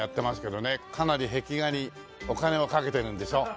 かなり壁画にお金をかけてるんでしょ？